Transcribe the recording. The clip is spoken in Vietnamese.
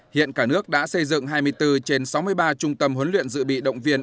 hiện cả nước đã xây dựng hai mươi bốn trên sáu mươi ba trung tâm huấn luyện dự bị động viên